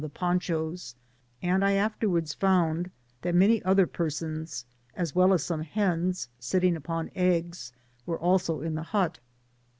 19 the ponchos, and I afterwards found that many other persons, as well as some hens sitting upon eggs, were also in the hut.